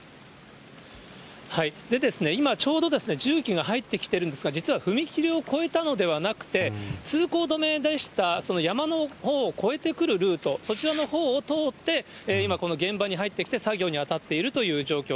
今、ちょうど重機が入ってきてるんですが、実は踏切を越えたのではなくて、通行止めでした、その山のほうを越えてくるルート、そちらのほうを通って、今、この現場に入ってきて、作業に当たっているという状況。